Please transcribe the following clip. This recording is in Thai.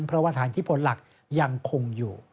เพราะวัฒนธรรมที่ผลหลักยังคงอยู่